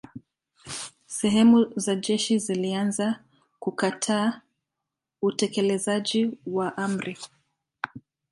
Sehemu za jeshi zilianza kukataa utekelezaji wa amri.